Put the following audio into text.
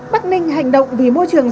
bắc ninh hành động vì môi trường